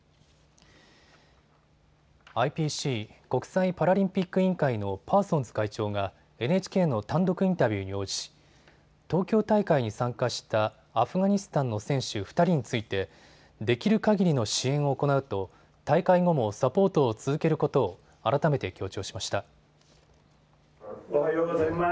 ＩＰＣ・国際パラリンピック委員会のパーソンズ会長がＮＨＫの単独インタビューに応じ、東京大会に参加したアフガニスタンの選手２人についてできるかぎりの支援を行うと大会後もサポートを続けることを改めて強調しました。